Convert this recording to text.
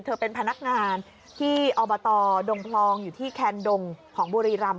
เป็นพนักงานที่อบตดงพลองอยู่ที่แคนดงของบุรีรำ